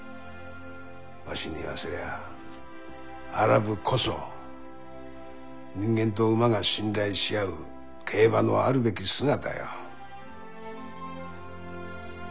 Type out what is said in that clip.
わしに言わせりゃあアラブこそ人間と馬が信頼し合う競馬のあるべき姿よ。